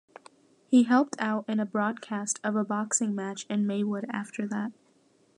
He helped out in a broadcast of a boxing match in Maywood after that.